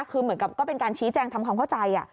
คือเหมือนกับก็เป็นการชี้แจงทำความเข้าใจ